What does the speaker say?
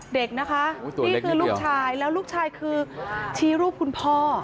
เด็กนะคะนี่คือลูกชายแล้วลูกชายคือชี้รูปคุณพ่อ